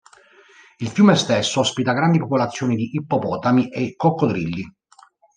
Il fiume stesso ospita grandi popolazioni di ippopotami e coccodrilli.